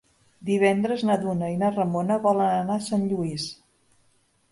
Divendres na Duna i na Ramona volen anar a Sant Lluís.